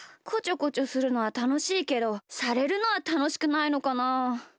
こちょこちょするのはたのしいけどされるのはたのしくないのかな。